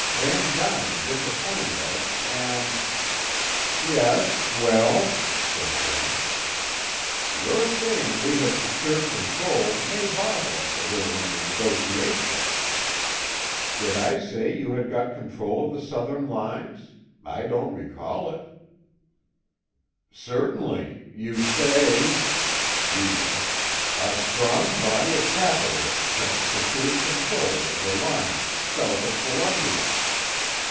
Van Duyn disappointed us, and " "Yes well?" said Braine. "Your saying we have secured control may bother us a little in the negotiations." "Did I say you had got control of the Southern lines? I don't recall it." "Certainly; you say," reading, "'a strong body of capitalists have secured control of the lines south of Columbia.'"